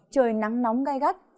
trời nắng nóng gai gắt